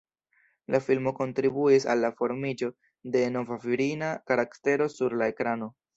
La filmo kontribuis al la formiĝo de nova virina karaktero sur la ekrano.